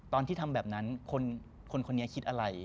ตอนที่ทำแบบนั้นคนนี้คิดอะไร